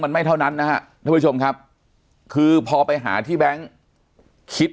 มันไม่เท่านั้นนะฮะท่านผู้ชมครับคือพอไปหาที่แบงค์คิด